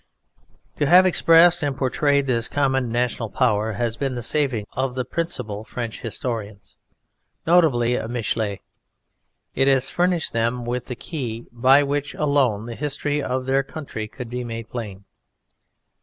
To have expressed and portrayed this common national power has been the saving of the principal French historians, notably of Michelet. It has furnished them with the key by which alone the history of their country could be made plain.